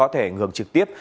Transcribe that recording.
để ngừng trực tiếp